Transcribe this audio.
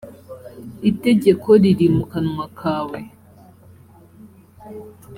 itegeko riri mu kanwa kawe